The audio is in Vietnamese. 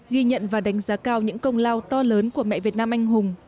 ghi nhận và đánh giá cao những công lao to lớn của mẹ việt nam anh hùng